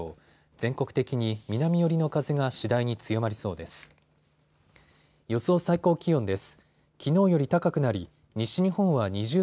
全国的に南寄りの風が次第に強まりそうです。